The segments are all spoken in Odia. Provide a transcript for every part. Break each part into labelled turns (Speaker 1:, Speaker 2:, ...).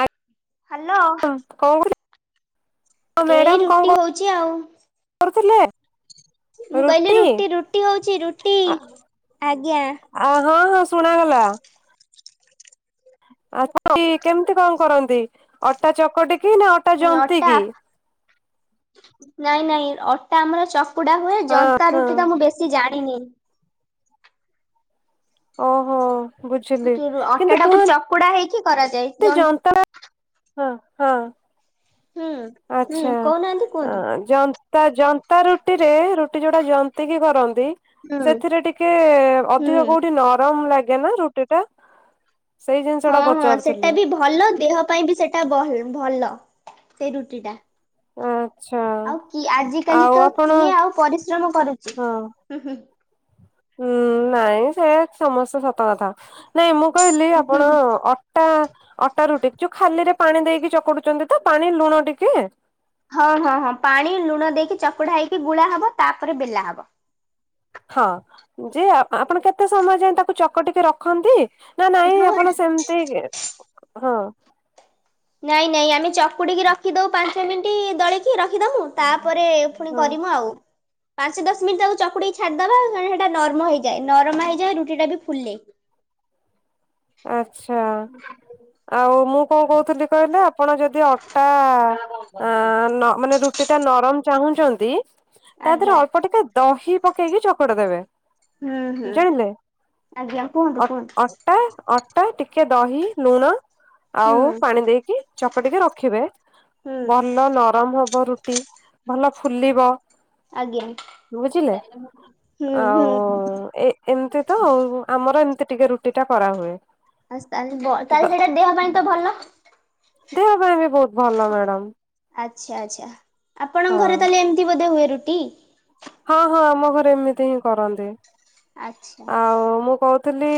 Speaker 1: ଆ
Speaker 2: ହାଲୋ।
Speaker 1: କଣ କରୁଥିଲେ
Speaker 2: ଏଇ
Speaker 1: ମ୍ୟାଡାମ କଣ
Speaker 2: ରୁଟି ହଉଛି ଆଉ।
Speaker 1: କରୁଥିଲେ
Speaker 2: ମୁଁ କହିଲି ରୁଟି ରୁଟି ହଉଛି ରୁଟି ଆଜ୍ଞା।
Speaker 1: ଆ ହଁ ହଁ ଶୁଣାଗଲା। ଆପଣ କେମିତି କଣ କରନ୍ତି ଅଟା ଚକଟି କି ନା ଅଟା ଜନ୍ତି
Speaker 2: ଅଟା
Speaker 1: କି?
Speaker 2: ନାଇଁ ନାଇଁ ଅଟା ଆମର ଚକ୍ କୁକୁଡା ହୁଏ
Speaker 1: ହଁ
Speaker 2: ଜନ୍ତା
Speaker 1: ହଁ
Speaker 2: ରୁଟି ତ ମୁଁ ବେଶୀ ଜାଣିନି।
Speaker 1: ଓହୋ। ବୁଝିଲି।
Speaker 2: ତୁରୁ
Speaker 1: କିନ୍ତୁ
Speaker 2: ଅଟା ଟାକୁ
Speaker 1: କୁହନ୍ତି
Speaker 2: ଚକୁଡା ହେଇକି କରାଯାଏ ଜନ୍
Speaker 1: ଯନ୍ତା ହଁ ହଁ।
Speaker 2: ହୁଁ ହୁଁ
Speaker 1: ଆଛା
Speaker 2: କହୁନାହାନ୍ତି
Speaker 1: ଆ
Speaker 2: କୁହନ୍ତୁ।
Speaker 1: ଜନ୍ ତା ଜନ୍ତା ରୁଟି ରେ ରୁଟି ଯୋଉଟା ଜନ୍ତି କିି କରନ୍
Speaker 2: ହୁଁ
Speaker 1: ସେଥିରେ ଟିକେ
Speaker 2: ହୁଁ।
Speaker 1: ଅଧିକ କୋଉଠି ନରମ ଲାଗେ। ନା ରୁଟି ଟା। ସେଇ ଜିନିଷ
Speaker 2: ହଁ
Speaker 1: ଟା
Speaker 2: ହଁ ସେଟା
Speaker 1: ପଚାରୁଥିଲି
Speaker 2: ବି ଭଲ ଦେହ ପାଇଁ ବି ସେଟା ବ ଭଲ। ସେଇ ରୁଟି ଟା।
Speaker 1: ହଁ।
Speaker 2: ଆଉ କିଏ ଆଜିିକାଲି ତ କିଏ ଆଉ ପରିଶ୍ରମ କରୁଛି
Speaker 1: ହଁ
Speaker 2: ହୁଁ ହୁଁ।
Speaker 1: ହୁଁ ନାଇଁ ସେ ସମସ୍ତେ ସତ କଥା ନାଇଁ ମୁଁ କହିଲି
Speaker 2: ହୁଁ
Speaker 1: ଆପଣ ଅଟା ଅଟା ରୁଟିିକ ଯୋଉ ଖାଲିରେ ପାଣି ଦେଇକି ଚକଡୁଛନ୍ତି ତ ପାଣି ଲୁଣ ଟିକେ?
Speaker 2: ହଁ ହଁ ହଁ ପାଣି ଲୁଣ ଦେଇକି ଚକୁଡା ହେଇକି ଗୁଳା ହବ ତାପରେ ବେଲା ହବ।
Speaker 1: ହଁ ଯେ ଆପଣ କେତେ ସମୟ ଯାଏ ତାକୁ ଚକ ଟିକି ରଖନ୍ତି। ନା ନାଇଁ ଆପଣ ସେମିତି ହଁ।
Speaker 2: ନାଇଁ ନାଇଁ ଆମେ ଚକୁଡିକି ରଖିଦଉ ପାଞ୍ଚ ମିନିଟ୍ ଦଳିକି ରଖିଦମୁ । ତାପରେ ପୁଣି
Speaker 1: ହଁ
Speaker 2: କରିମୁଁ ଆଉ। ପାଞ୍ଚ ଦଶ ମିନିଟ ତାକୁ ଚକୁଡି ଛାଡିଦବା ସେଟା ନରମ ହେଇଯାଏ ନରମା ହେଇଯାଏ ରୁଟି ଟା ବି ଫୁଲେ।
Speaker 1: ଆଛା ଆଉ ମୁଁ କଣ କହୁଥିଲି କହିଲ ଆପଣ ଯଦି ଅଟା ଆ ମାନେ ରୁଟି ଟା ନରମ ଚାହୁଁଛନ୍ତି ତା ଦେହରେ
Speaker 2: ଆଜ୍ଞା
Speaker 1: ଅଳ୍ପ ଟକେ ଦହି ପକେଇକି ଚଛକଡ଼ ଦେବେ।
Speaker 2: ହୁଁ ହୁଁ
Speaker 1: ଜାଣିଲେ।
Speaker 2: ଆଜ୍ଞା
Speaker 1: ଅ
Speaker 2: କୁହନ୍ତୁ କୁହନ୍ତୁ।
Speaker 1: ଅଟା ଅଟା ଟିକେ ଦହି ଲୁଣ ଆଉ
Speaker 2: ହୁଁ
Speaker 1: ପାଣି ଦେଇକି ଚକଟିକି ରଖିବେ
Speaker 2: ହୁଁ।
Speaker 1: ଭଲ ନରମ ହବ ରୁ ଟି ଭଲ ଫୁଲିବ।
Speaker 2: ଆଜ୍ଞା
Speaker 1: ବୁଝିଲେ
Speaker 2: ହୁଁ ହୁଁ
Speaker 1: ଆଉ ଏ ଏମତି ତ ଆମର ଏମତି ଟିକେ ରୁଟି ଟା କରା ହୁଏ।
Speaker 2: ଆ ତାହଲେ ତାହଲେ ସେଇଟା ଦେହ ପାଇଁ ତ ଭଲ?
Speaker 1: ଦେହ ପାଇଁ ବି ବହୁତ ଭଲ ମ୍ୟାଡ଼ାମ।
Speaker 2: ଆଚ୍ଛା ଆଚ୍ଛା। ଆପଣଙ୍କ ଘରେ ତାହେଲେ ଏମିତି ବୋଧ ହୁଏ ରୁ ଟି।
Speaker 1: ହଁ ହଁ ଆମ ଘରେ ଏମିତି ହିଁ କରନ୍ତି।
Speaker 2: ଆଚ୍ଛା।
Speaker 1: ଆଉ ମୁଁ କହୁଥିଲି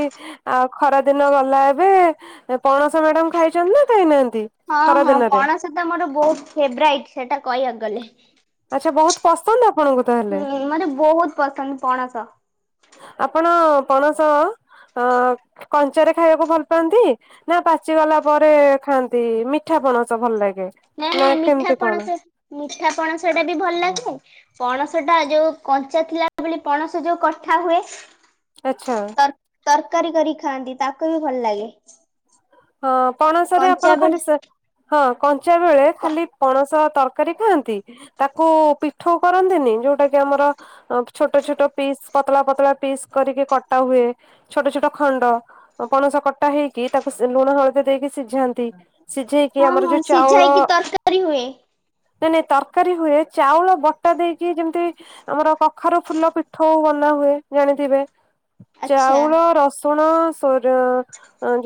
Speaker 1: ଆ ଖରା ଦିନ ଗଲା ଏବେ ପଣସ ମ୍ୟାଡାମ ଖାଇଛନ୍ତି ନା ଖାଇନାହା
Speaker 2: ହଁ ହଁ ପଣସ ତ ମୋର ବହୁତ ଫେବରାଇଟ ସେଟା କହିବାକୁ ଗଲେ
Speaker 1: ବହୁତ ପସନ୍ଦ ଆ
Speaker 2: ହୁଁ ମତେ ବହୁତ୍ ପସନ୍ଦ ପଣସ।
Speaker 1: ଆପଣ ପଣସ ଅ କଞ୍ଚାରେ ଖାଇବାକୁ ଭଲ ପାଆନ୍ତି ନା ପାଚିଗଲା ପରେ ଖାଆନ୍ତି ମିଠା ପଣସ ଭଲ ଲାଗେ?
Speaker 2: ନାଇଁ
Speaker 1: ନା
Speaker 2: ନାଇଁ ମିଠା
Speaker 1: କେମିତି କଣ
Speaker 2: ପଣସ ମିଠା ପଣସ ସେଟା ବି ଭଲ ଲାଗେ ପଣସ ଟା ଯୋଉ କଞ୍ଚା ଥିଲା ବୋଲି ପଣସ ଯୋଉ କଠା ହୁଏ।
Speaker 1: ଆଚ୍ଛା।
Speaker 2: ତର ତରକାରୀ କରି ଖାଆନ୍ତି ତାକୁ ବି ଭଲ ଲାଗେ।
Speaker 1: ହଁ ପଣସରେ
Speaker 2: କଞ୍ଚା
Speaker 1: ଆପଣ
Speaker 2: ବେଳେ
Speaker 1: ଖାଲି ସେ ହଁ କ କଞ୍ଚା ବେଳେ
Speaker 2: କ
Speaker 1: ଖାଲି ପଣସ ତରକାରୀ ଖୁଆନ୍ତି ତାକୁ ପିଠୋଉ କରନ୍ତିନି ଯୋଉଟା କି ଆମର ଛୋଟ ଛୋଟ ପିସ୍ ପତଳା ପତଳା ପିସ୍ କରିକି କଟା ହୁଏ ଛୋଟ ଛୋଟ ଖଣ୍ଡ ପଣସ କଟା ହେଇକି ତାକୁ ସି ଲୁଣ ହଳଦୀ ଦେଇକି ସ୍ ସିଝାନ୍ତି ସିଝେଇକି
Speaker 2: ହଁ
Speaker 1: ଆମର
Speaker 2: ହଁ
Speaker 1: ଯୋଉ
Speaker 2: ସିଝା
Speaker 1: ଚାଉଳ
Speaker 2: ହେଇକି ତରକାରୀ ହୁଏ
Speaker 1: ନାଇଁ ନାଇଁ ତରକାରୀ ହୁଏ ଚାଉଳ ବଟା ଦେଇକି ଯେମତି ଆମର କଖାରୁ ଫୁଲ ପିଠୋଉ ବନାହୁଏ ଜାଣିଥିବେ।
Speaker 2: ଆଚ୍ଛା
Speaker 1: ଚାଉଳ ରସ୍ ଉଣ ସୋର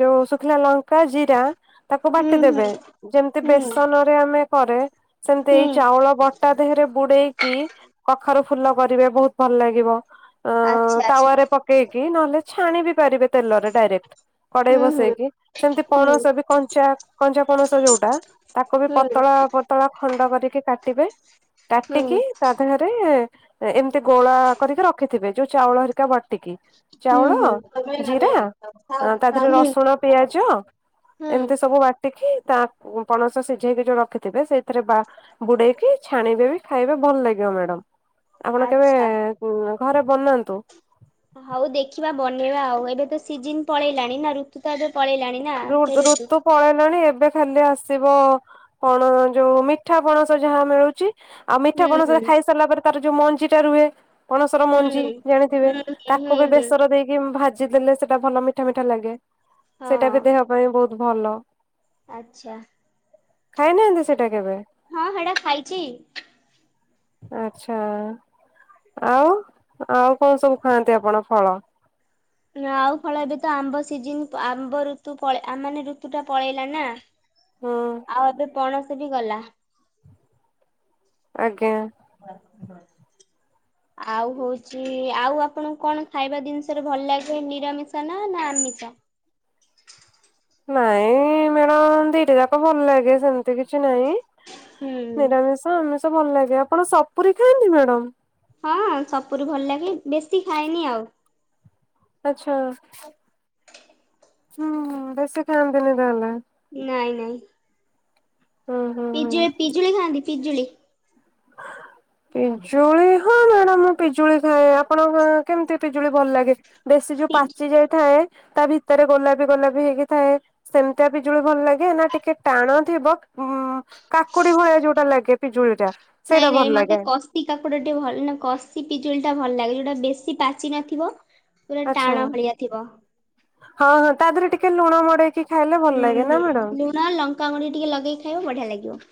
Speaker 1: ଯୋଉ ସୁ ସୁଖିଲା ଲଙ୍କା ଜିରା ତାକୁ
Speaker 2: ହୁଁ ହୁଁ
Speaker 1: ବାଟିଦେବେ ଯେମତି
Speaker 2: ହୁଁ।
Speaker 1: ବେସନରେ ଆମେ କରେ ସେମତି
Speaker 2: ହୁଁ
Speaker 1: ଏଇ ଚାଉଳ ବଟା ଦେହେରେ ବୁଡେଇକି କଖାରୁ ଫୁଲ କରିବେ ବୋହୁତ୍ ଭଲ ଲାଗିବ। ଅ
Speaker 2: ଆଚ୍ଛା ଆଚ୍ଛା
Speaker 1: ତାୱାରେ ପକେଇକି ନହେଲେ ଛାଣିବି ପାରିବେ ତେଲରେ ଡାଇରେକ୍ଟ। କଡ଼େଇ
Speaker 2: ହୁଁ ହୁଁ
Speaker 1: ବସେଇକି ସେମତି
Speaker 2: ହୁଁ
Speaker 1: ପଣସ ବି କଞ୍ଚା କଞ୍ଚା ପଣସ ଯୋଉଟା ତାକୁ ବି
Speaker 2: ହୁଁ ହୁଁ।
Speaker 1: ପତଳା ପତଳା ଖଣ୍ଡ କରିକି କା କାଟିବେ କାଟିକି
Speaker 2: ହୁଁ
Speaker 1: ତା ଦେହରେ ଏ ଏମିତି ଗୋଳା କରିକି ରଖିଥିବେ ଯୋଉ ଚାଉଳ ହରିକା ବା ଟିକି ଚାଉଳ
Speaker 2: ହୁଁ।
Speaker 1: ଜିରା ଆ ତା
Speaker 2: ହୁଁ
Speaker 1: ଦେହରେ
Speaker 2: ହୁଁ
Speaker 1: ରସୁଣ ପିଆଜ
Speaker 2: ହୁଁ
Speaker 1: ଏମତି ସବୁ ବାଟିକି ତା ପଣସ ସିଝେଇକି ଯୋଉ ରଖିଥିବେ ସେଇଥିରେ ବା ବୁଡେଇକି ଛାଣିବେ ବି ଖାଇବେ ଭଲ ଲାଗିବ ମ୍ୟାଡାମ। ଆପଣ କେବେ
Speaker 2: ଆଚ୍ଛା।
Speaker 1: କୁଁ ଘରେ ବନାନ୍ତୁ।
Speaker 2: ହଉ ଦେଖିବା ବନେଇବା ଆଉ ଏବେ ତ ସିଜିନ ପଳେଇଲାଣି ନା ଋତୁ ତ ଏବେ ପଳେଇଲାଣି ନା
Speaker 1: ଋ
Speaker 2: ସେ
Speaker 1: ଋତୁ ପଳେଇଲାଣି ଏବେ ଖାଲି ଆସିବ ପଣ ଯୋଉ ମିଠା ପଣସ ଯାହା ମିଳୁଚି। ଆଉ
Speaker 2: ହୁଁ
Speaker 1: ମିଠା
Speaker 2: ହୁଁ
Speaker 1: ପଣସରେ ଖାଇସାରିଲା ପରେ ତାର ଯୋଉ ମଞ୍ଜି ଟା ରୁହେ। ପଣସର
Speaker 2: ହୁଁ
Speaker 1: ମଞ୍ଜି ଜାଣିଥିବେ
Speaker 2: ହୁଁ ହୁଁ ହୁଁ
Speaker 1: ତାକୁ ବି
Speaker 2: ହୁଁ
Speaker 1: ବେସର ଦେଇକି ଭାଜ ଜି ଦେଲେ ସେଟା ଭଲ ମିଠା ମିଠା ଲାଗେ। ସେଟା
Speaker 2: ହଁ
Speaker 1: ବି ଦେହ ପାଇଁ ବୋହୁତ ଭଲ।
Speaker 2: ଆଚ୍ଛା
Speaker 1: ଖାଇନାହାନ୍ତି ସେଟା କେବେ।
Speaker 2: ହଁ ହେଟା ଖାଇଚି।
Speaker 1: ଆଛା ଆଉ ଆଉ କଣ ସବୁ ଖାଆନ୍ତି ଆପଣ ଫଳ?
Speaker 2: ଆଉ ଫଳ ଏବେ ତ ଆମ୍ବ ସିଜନ ଆମ୍ବ ଋତୁ ପଳ ଆମ ମାନେ ଋତୁ ଟା ପଳେଇଲା ନା।
Speaker 1: ହୁଁ
Speaker 2: ଆଉ ଏବେ ପଣସ ତେ ବି ଗଲା।
Speaker 1: ଆଜ୍ଞା।
Speaker 2: ଆଉ ହଉଛି ଆଉ ଆପଣଙ୍କୁ କଣ ଖାଇବା ଜିନିଷରେ ଭଲ ଲାଗେ ନିରାମିଷା ନା ନା ଆମିଷ?
Speaker 1: ନାଇଁ ମ୍ୟାଡାମ ଦିଟା ଯାକ ଭଲ ଲାଗେ ସେମ ଏତ କିଛି ନାହିଁ
Speaker 2: ହୁଁ
Speaker 1: ନିରାମିଷ ଆମିସ୍ ତେ ଭଲ ଲାଗେ, ଆପଣ ସପୁରୀ ଖାଆନ୍ତି ମ୍ୟାଡାମ?
Speaker 2: ହଁ ସପୁରୀ ଭଲ ଲାଗେ, ବେଶୀ ଖାଏନି ଆଉ।
Speaker 1: ଆଛା ହୁଁ ବେଶୀ ଖାନ୍ତିିନି ତାହେଲେ।
Speaker 2: ନାଇଁ ନାଇଁ।
Speaker 1: ହୁଁ ହୁଁ
Speaker 2: ପିଜୁ
Speaker 1: ହୁଁ।
Speaker 2: ପିଜୁଳି ଖାଆନ୍ତି? ପିଜୁଳି।
Speaker 1: ପିଜୁଳି ହଁ ମ୍ୟାଡାାମ ମୁଁ ପିଜୁଳି ଖାଏ ଆପଣଙ୍କ କେମିତି ପିଜୁଳି ଭଲ ଲାଗେ? ବେଶୀ ଯୋଉ ପାଚି ଯାଇଥାଏ ତା ଭିତରେ ଗୋଲାପି ଗୋଲାପି ହେଇକି ଥାଏ ସେମିତିଆ ପିଜୁଳି ଭଲ ଲାଗେ ନା ଟିକେ ଟାଣ ଥିବ ଉମ କାକୁଡି ଭଳିଆ ଯୋଉଟା ଲାଗେ। ପଜୁଳିଟା।
Speaker 2: ନାଇଁ ନାଇଁ ମତେ କଷି କାକୁଡ ଟେ ଭଲ ନା କଷି ପିଜୁଳି ଟା ଭଲ ଲାଗେ ଯୋଉ ଟା ବେଶୀ ପାଚି ନଥିବ। ପୁରା
Speaker 1: ଆଚ୍ଛା।
Speaker 2: ଟାଣ ଭଳିଆ ଥିବ।
Speaker 1: ହଁ ହଁ ତା ଦେହରେ ଟିକେ ଲୁଣ ମଡେଇକି ଖାଇଲେ ଭଲ
Speaker 2: ହୁଁ
Speaker 1: ଲାଗେ ନା
Speaker 2: ହୁଁ
Speaker 1: ମ୍ୟାଡାମ।
Speaker 2: ଲୁଣ ଲଙ୍କା ଗୁଡି ଟିକେ ଲଗେଇକି ଖାଇବ ବଢିଆ ଲାଗିବ।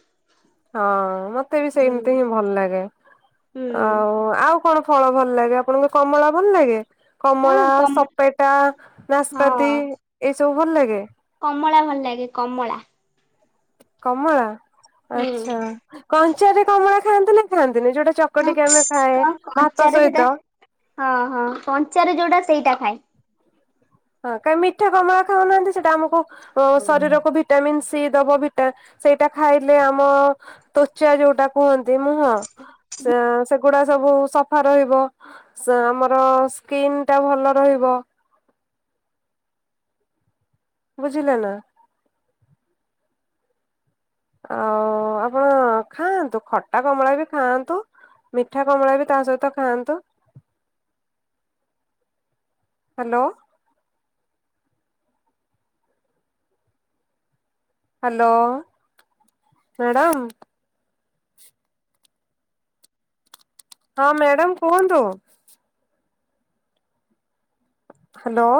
Speaker 1: ହଁ ମ ମତେ ବି
Speaker 2: ହୁଁ
Speaker 1: ସେମିତି ହିଁ ଭଲ ଲାଗେ
Speaker 2: ହୁଁ
Speaker 1: ଆଉ ଆଉ କଣ ଫଳ ଭଲ ଲାଗେ ଆପଣଙ୍କ କମଳା ଭଲ ଲାଗେ? କମଳା,
Speaker 2: ହଁ କମ
Speaker 1: ସପେଟା,
Speaker 2: ହଁ
Speaker 1: ନାସପତି ଏଇସବୁ ଭଲ ଲାଗେ?
Speaker 2: କମଳା ଭଲ ଲାଗେ କମଳା।
Speaker 1: କମଳା?
Speaker 2: ହୁଁ।
Speaker 1: ଆଛା କଣ ପଚରେ କମଳା ଖାଆନ୍ତି ନା ଖାଆ ଯୋଉଟା ଚକଟିକି ଆମେ ଖାଏ
Speaker 2: କଣ
Speaker 1: ଭାତ
Speaker 2: କଞ୍ଚାରେ ସେଟା
Speaker 1: ସହିତ।
Speaker 2: ହଁ ହଁ କଞ୍ଚାରେ ଯୋଉଟା ସେଇଟା ଖାଏ।
Speaker 1: ହଁ କାହିଁ ମିଠା କମଳା ଖାଉନାହାନ୍ତି ସେଟା ଆମକୁ ଶରୀରକୁ ଭିଟାମିନ୍ସ ସିଏ ଦବ ଭିଟାମିନ ସେଇଟା ଖାଇଲେ ଆମ ତ୍ୱଚା ଯଉଟା କୁହନ୍ତି ମୁହଁ ସେଗୁଡା ସବୁ ସଫା ରହିବ ଆମର ସ୍କିନ ଟା ଭଲ ରହିବ। ବୁଝିଲନା। ଆଉ ଆପଣ ଖାଆନ୍ତୁ ଖଟା କମଳା ବି ଖାଆନ୍ତୁ ମିଠା କମଳା ବି ତା ସହିତ ଖାଆନ୍ତୁ। ହ୍ୟାଲୋ, ହ୍ୟାଲୋ ମ୍ୟାଡ଼ାାମ ହଁ ମ୍ୟାଡାାମ କୁହନ୍ତୁ, ହ୍ୟାଲୋ।